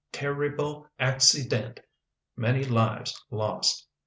Ter ri ble ac ci dent! many lives lost!